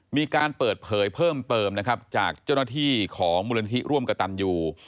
มีการเปิดเผยเพิ่มเติมนะครับจากเจ้าหน้าที่ของมูลนิธิร่วมกระตันยู